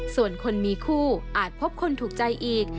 ส่วนคนมีคู่อาจพบคนถูกใจอีก